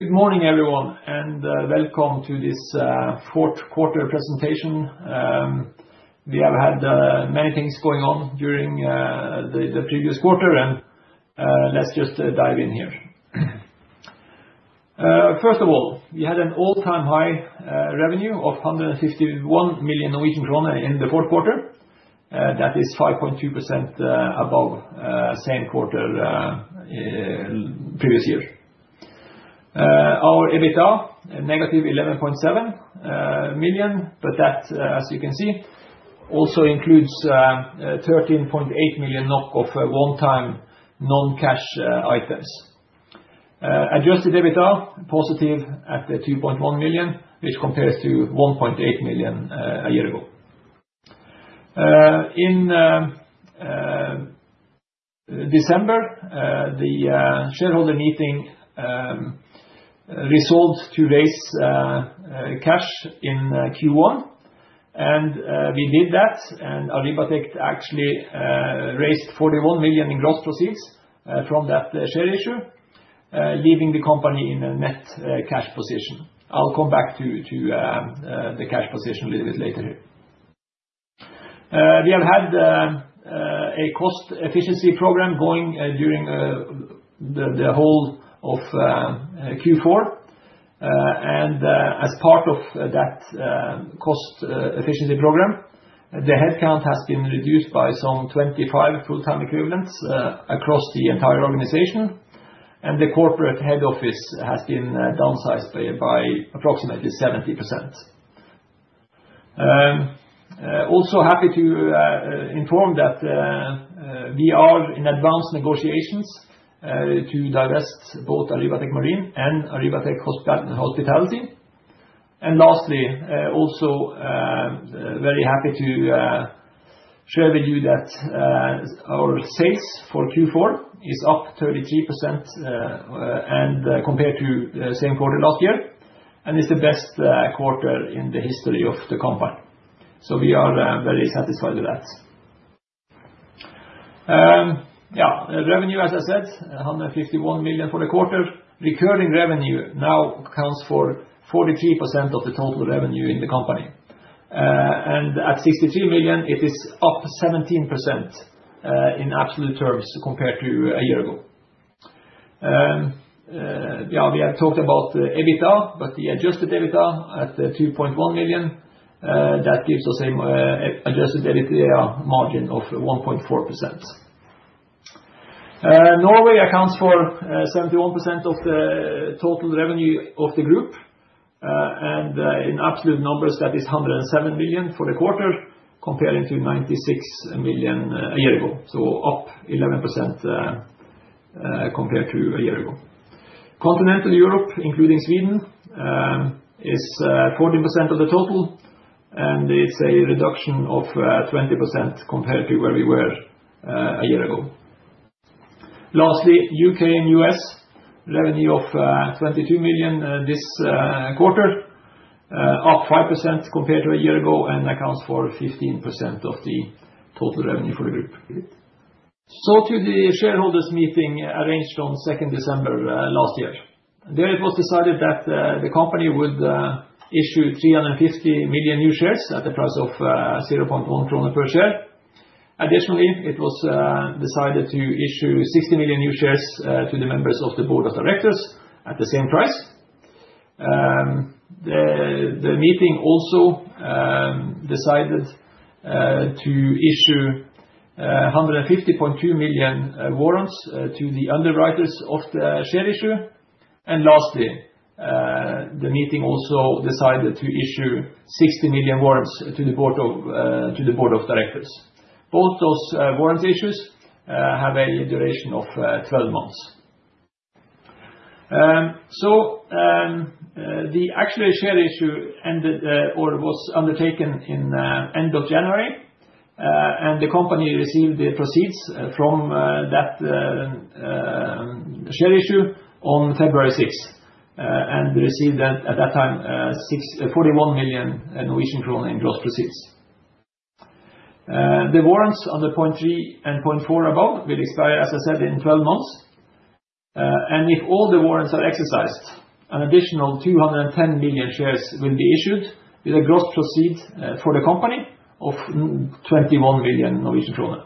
Good morning, everyone, and welcome to this fourth quarter presentation. We have had many things going on during the previous quarter, and let's just dive in here. First of all, we had an all-time high revenue of 151 million Norwegian kroner in the fourth quarter. That is 5.2% above the same quarter previous year. Our EBITDA is negative 11.7 million, but that, as you can see, also includes 13.8 million NOK one-off one-time non-cash items. Adjusted EBITDA is positive at 2.1 million, which compares to 1.8 million a year ago. In December, the shareholder meeting resolved to raise cash in Q1, and we did that, and Arribatec actually raised 41 million in gross proceeds from that share issue, leaving the company in a net cash position. I'll come back to the cash position a little bit later here. We have had a cost efficiency program going during the whole of Q4, and as part of that cost efficiency program, the headcount has been reduced by some 25 full-time equivalents across the entire organization, and the corporate head office has been downsized by approximately 70%. Also happy to inform that we are in advanced negotiations to divest both Arribatec Marine and Arribatec Hospitality. Lastly, also very happy to share with you that our sales for Q4 is up 33% compared to the same quarter last year, and it is the best quarter in the history of the company. We are very satisfied with that. Yeah, revenue, as I said, 151 million for the quarter. Recurring revenue now accounts for 43% of the total revenue in the company. At 63 million, it is up 17% in absolute terms compared to a year ago. Yeah, we have talked about EBITDA, but the adjusted EBITDA at 2.1 million, that gives us an adjusted EBITDA margin of 1.4%. Norway accounts for 71% of the total revenue of the group, and in absolute numbers, that is 107 million for the quarter, comparing to 96 million a year ago. Up 11% compared to a year ago. Continental Europe, including Sweden, is 14% of the total, and it's a reduction of 20% compared to where we were a year ago. Lastly, U.K. and U.S. revenue of 22 million this quarter, up 5% compared to a year ago, and accounts for 15% of the total revenue for the group. To the shareholders meeting arranged on 2nd December last year. There it was decided that the company would issue 350 million new shares at a price of 0.1 krone per share. Additionally, it was decided to issue 60 million new shares to the members of the board of directors at the same price. The meeting also decided to issue 150.2 million warrants to the underwriters of the share issue. Lastly, the meeting also decided to issue 60 million warrants to the board of directors. Both those warrant issues have a duration of 12 months. The actual share issue ended or was undertaken in the end of January, and the company received the proceeds from that share issue on February 6th and received at that time 41 million Norwegian kroner in gross proceeds. The warrants under point 3 and point 4 above will expire, as I said, in 12 months. If all the warrants are exercised, an additional 210 million shares will be issued with gross proceeds for the company of 21 million Norwegian kroner.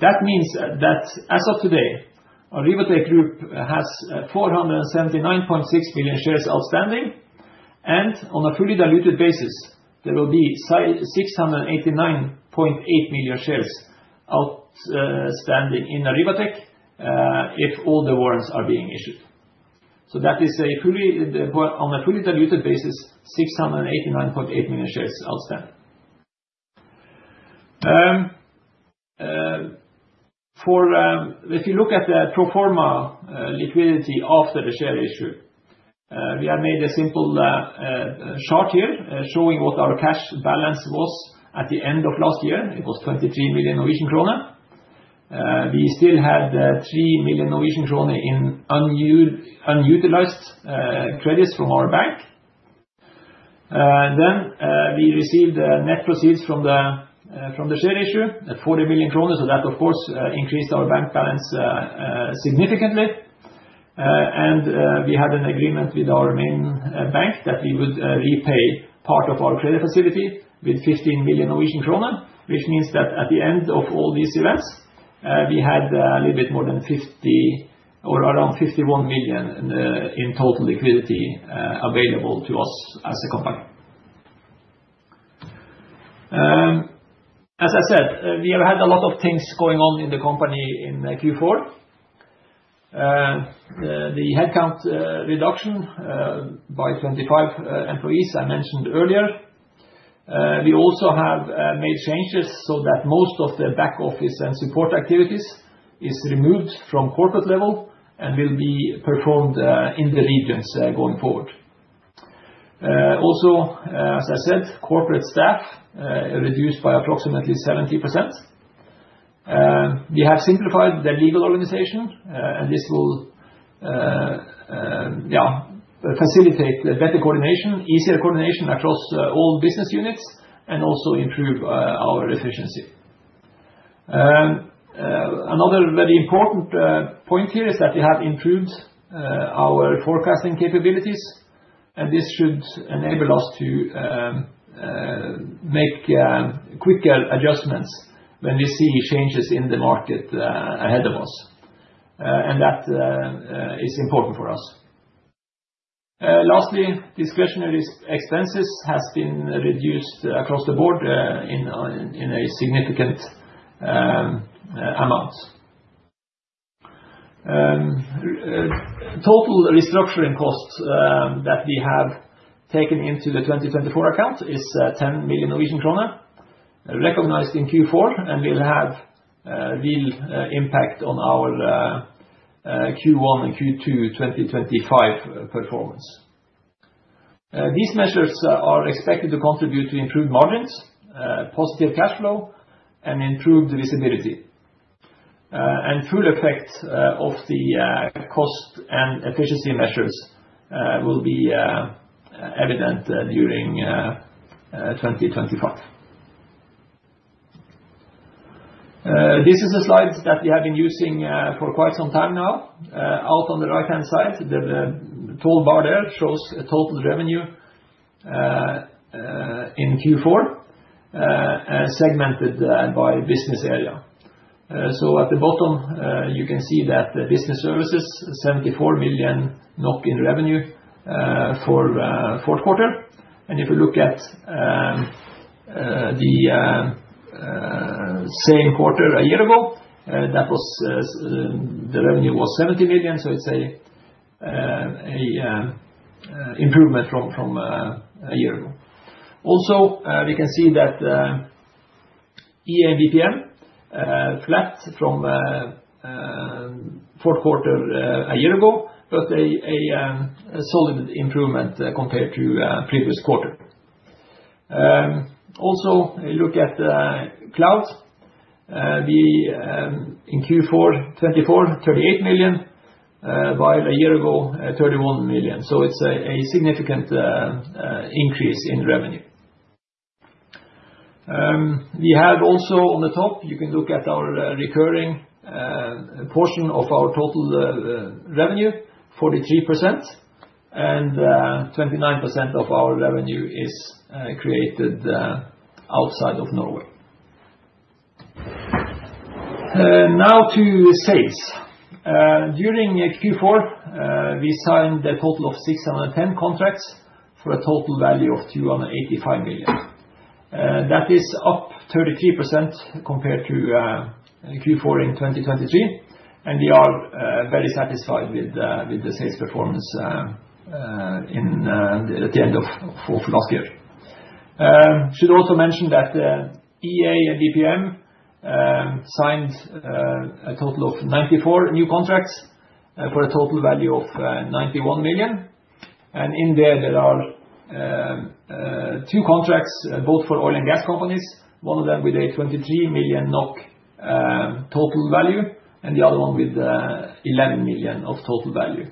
That means that as of today, Arribatec Group has 479.6 million shares outstanding, and on a fully diluted basis, there will be 689.8 million shares outstanding in Arribatec if all the warrants are being issued. That is a fully diluted basis, 689.8 million shares outstanding. If you look at the pro forma liquidity after the share issue, we have made a simple chart here showing what our cash balance was at the end of last year. It was NOK 23 million. We still had 3 million Norwegian kroner in unutilized credits from our bank. We received net proceeds from the share issue, 40 million kroner, so that of course increased our bank balance significantly. We had an agreement with our main bank that we would repay part of our credit facility with 15 million Norwegian krone, which means that at the end of all these events, we had a little bit more than 50 million or around 51 million in total liquidity available to us as a company. As I said, we have had a lot of things going on in the company in Q4. The headcount reduction by 25 employees I mentioned earlier. We also have made changes so that most of the back office and support activities are removed from corporate level and will be performed in the regions going forward. Also, as I said, corporate staff are reduced by approximately 70%. We have simplified the legal organization, and this will facilitate better coordination, easier coordination across all business units, and also improve our efficiency. Another very important point here is that we have improved our forecasting capabilities, and this should enable us to make quicker adjustments when we see changes in the market ahead of us. That is important for us. Lastly, discretionary expenses have been reduced across the board in a significant amount. Total restructuring costs that we have taken into the 2024 account are 10 million Norwegian kroner, recognized in Q4, and will have a real impact on our Q1 and Q2 2025 performance. These measures are expected to contribute to improved margins, positive cash flow, and improved visibility. The full effect of the cost and efficiency measures will be evident during 2025. This is a slide that we have been using for quite some time now. Out on the right-hand side, the tall bar there shows total revenue in Q4, segmented by business area. At the bottom, you can see that Business Services, 74 million NOK in revenue for the fourth quarter. If you look at the same quarter a year ago, the revenue was 70 million, so it's an improvement from a year ago. Also, we can see that EA & BPM flat from the fourth quarter a year ago, but a solid improvement compared to the previous quarter. Also, look at Cloud. In Q4 2024, 38 million, while a year ago, 31 million. It's a significant increase in revenue. We have also on the top, you can look at our recurring portion of our total revenue, 43%, and 29% of our revenue is created outside of Norway. Now to sales. During Q4, we signed a total of 610 contracts for a total value of 285 million. That is up 33% compared to Q4 in 2023, and we are very satisfied with the sales performance at the end of last year. Should also mention that EA & BPM signed a total of 94 new contracts for a total value of 91 million. In there, there are two contracts, both for oil and gas companies, one of them with a 23 million NOK total value, and the other one with 11 million of total value.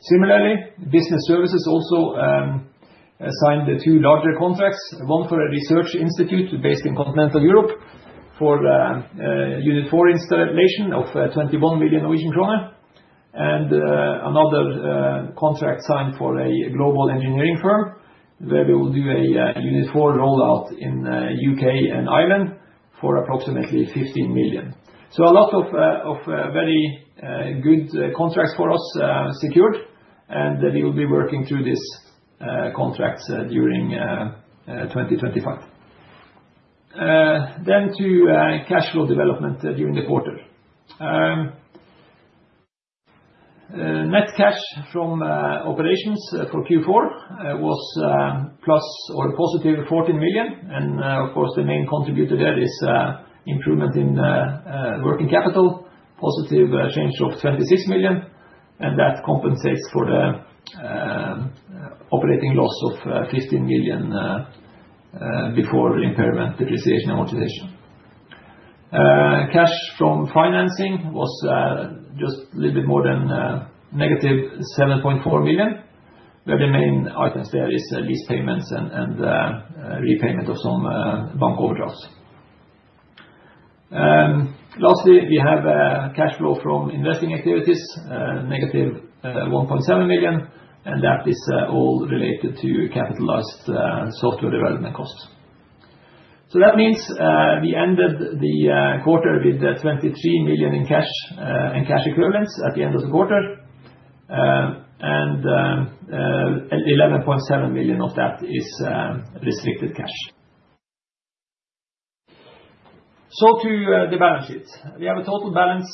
Similarly, Business Services also signed two larger contracts, one for a research institute based in Continental Europe for Unit4 installation of 21 million Norwegian kroner, and another contract signed for a global engineering firm where we will do a Unit4 rollout in the U.K. and Ireland for approximately 15 million. A lot of very good contracts for us secured, and we will be working through these contracts during 2025. To cash flow development during the quarter. Net cash from operations for Q4 was positive 14 million, and of course, the main contributor there is improvement in working capital, positive change of 26 million, and that compensates for the operating loss of 15 million before impairment, depreciation, amortization. Cash from financing was just a little bit more than negative 7.4 million, where the main items there are lease payments and repayment of some bank overdrafts. Lastly, we have cash flow from investing activities, negative 1.7 million, and that is all related to capitalized software development costs. That means we ended the quarter with 23 million in cash and cash equivalents at the end of the quarter, and 11.7 million of that is restricted cash. To the balance sheet, we have a total balance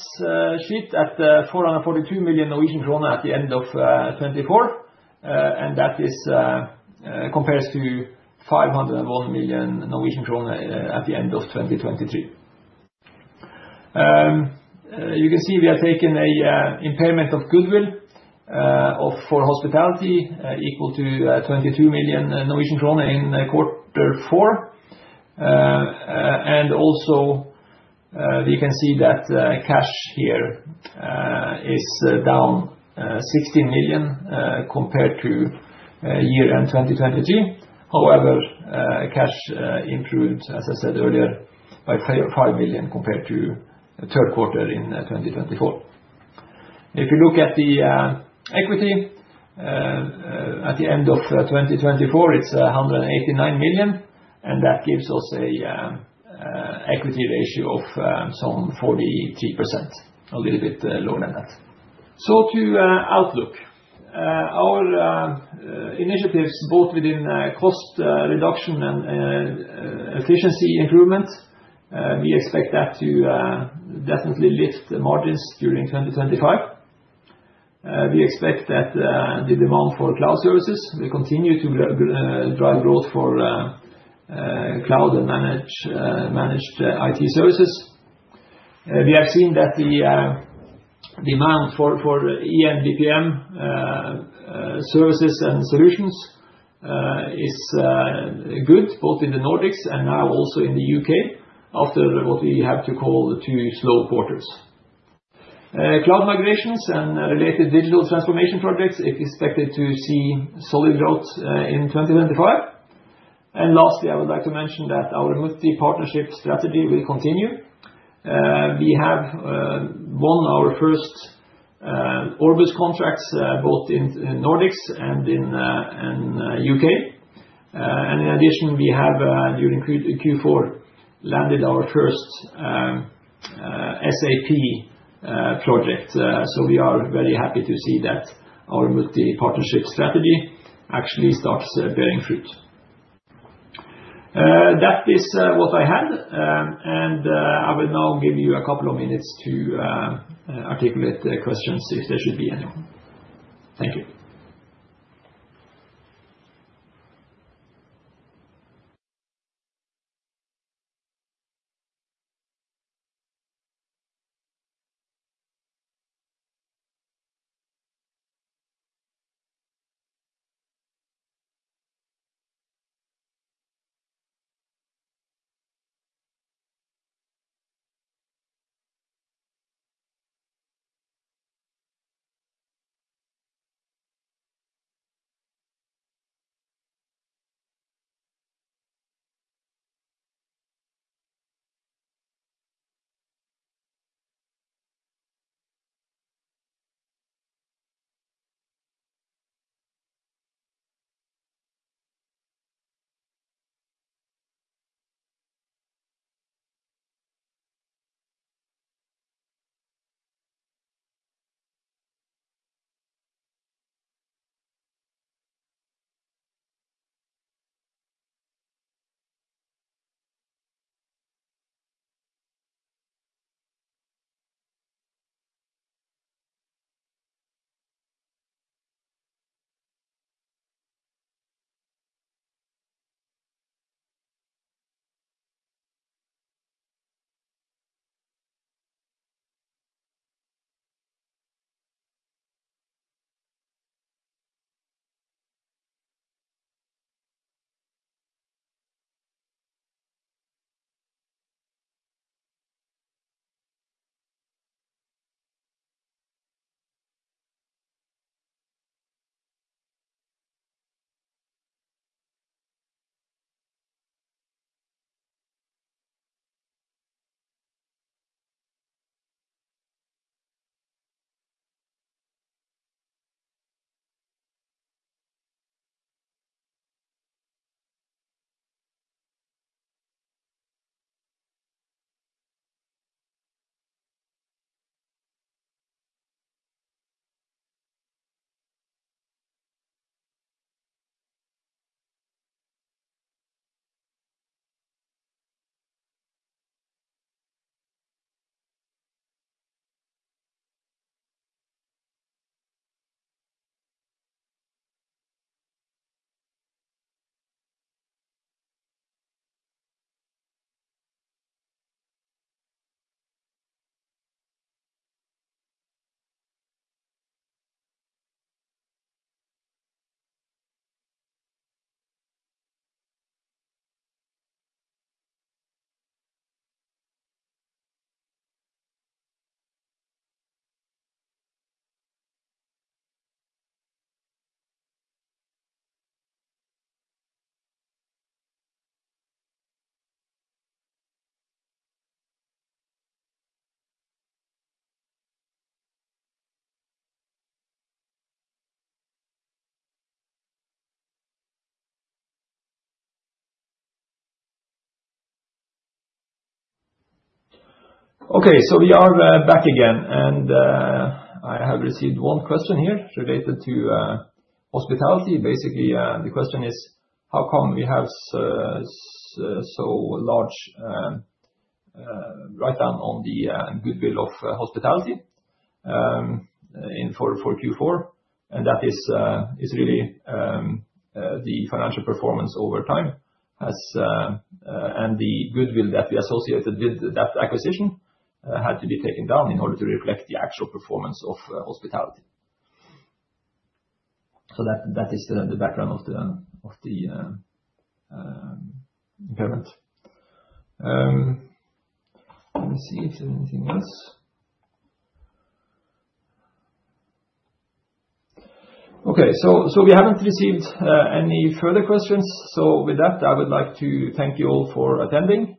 sheet at 442 million Norwegian krone at the end of 2024, and that compares to 501 million Norwegian krone at the end of 2023. You can see we have taken an impairment of goodwill for Hospitality equal to 22 million Norwegian krone in quarter four, and also we can see that cash here is down 16 million compared to year-end 2023. However, cash improved, as I said earlier, by 5 million compared to third quarter in 2024. If you look at the equity at the end of 2024, it is 189 million, and that gives us an equity ratio of some 43%, a little bit lower than that. To outlook, our initiatives, both within cost reduction and efficiency improvement, we expect that to definitely lift margins during 2025. We expect that the demand for Cloud Services will continue to drive growth for Cloud and managed IT services. We have seen that the demand for EA & BPM services and solutions is good, both in the Nordics and now also in the U.K. after what we have to call the two slow quarters. Cloud migrations and related digital transformation projects are expected to see solid growth in 2025. Lastly, I would like to mention that our multi-partnership strategy will continue. We have won our first Orbus contracts, both in the Nordics and in the U.K. In addition, we have during Q4 landed our first SAP project. We are very happy to see that our multi-partnership strategy actually starts bearing fruit. That is what I had, and I will now give you a couple of minutes to articulate questions if there should be any. Thank you. Okay, we are back again, and I have received one question here related to Hospitality. Basically, the question is, how come we have so large write-down on the goodwill of Hospitality for Q4? That is really the financial performance over time, and the goodwill that we associated with that acquisition had to be taken down in order to reflect the actual performance of Hospitality. That is the background of the impairment. Let me see if there's anything else. Okay, we haven't received any further questions. With that, I would like to thank you all for attending,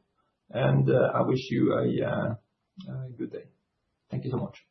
and I wish you a good day. Thank you so much.